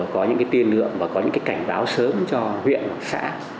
có những cái tiên lượng và có những cái cảnh báo sớm cho huyện xã